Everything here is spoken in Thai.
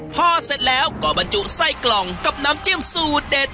พอเสร็จแล้วก็บรรจุไส้กล่องกับน้ำจิ้มสูตรเด็ด